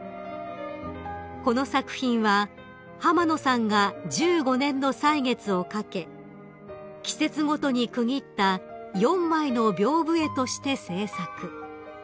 ［この作品は濱野さんが１５年の歳月をかけ季節ごとに区切った４枚のびょうぶ絵として制作］